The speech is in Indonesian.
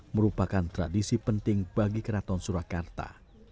merupakan tradisi penting bagi keraton surakarta